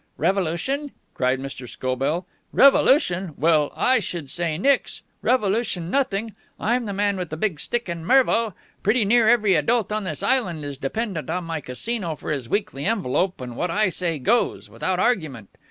"Revolution?" cried Mr. Scobell. "Revolution! Well, I should say nix! Revolution nothing. I'm the man with the big stick in Mervo. Pretty near every adult on this island is dependent on my Casino for his weekly envelope, and what I say goes without argument.